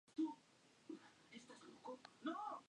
Inició su carrera en karting donde obtuvo tres títulos nacionales.